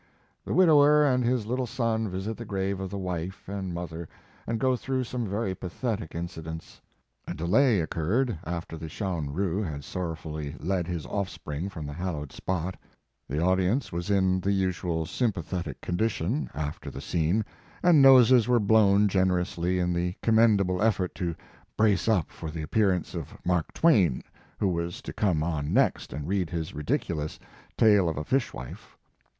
The widower and his little son visit the grave of the wife and mother and go through some very pathetic in cidents. A delay occurred after the "Shaun Rhue" had sorrowfully led his off spring from the hallowed spot. The His Life and Work. 161 audience was in the usual sympathetic condition after the scene, and noses were blown generously in the commendable effort to brace up for the appearance of Mark Twain, who was to come on next and read his ridiculous Tale of a Fish wife."